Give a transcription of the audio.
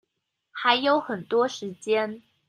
還有很多時間